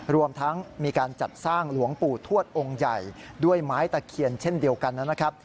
รวมทั้งมีการจัดสร้างหลวงปู่ทวดองค์ใหญ่ด้วยไม้ตะเคียนเช่นเดียวกันนะครับ